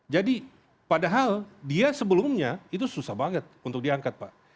jadi padahal dia sebelumnya itu susah banget untuk diangkat pak